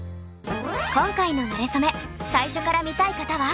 今回の「なれそめ」最初から見たい方は。